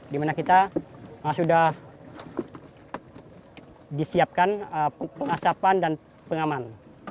dimana kita sudah disiapkan pengasapan dan pengaman